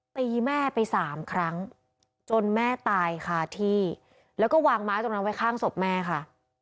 ตีแม่ไปสามครั้งจนแม่ตายคาที่แล้วก็วางไม้ตรงนั้นไว้ข้างศพแม่ค่ะ